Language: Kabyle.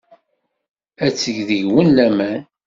Ad teg deg-wen laman.